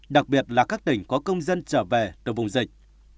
đặc biệt là các tỉnh có công dân trở về từ vùng dịch